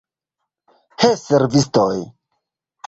He, servistoj!